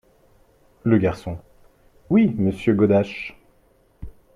Le Garçon. — Oui, Monsieur Godache.